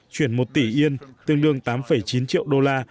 chuyển một tỷ yên tương đương tám chín triệu đô la